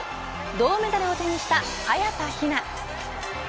銅メダルを手にした早田ひな。